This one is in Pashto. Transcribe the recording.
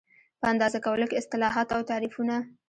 په اندازه کولو کې اصطلاحات او تعریفونه